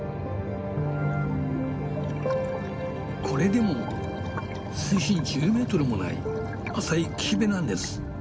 これでも水深１０メートルもない浅い岸辺なんです。